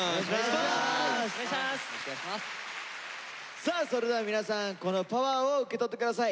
さあそれでは皆さんこのパワーを受け取って下さい。